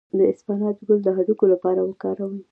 د اسفناج ګل د هډوکو لپاره وکاروئ